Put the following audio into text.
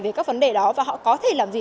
về các vấn đề đó và họ có thể làm gì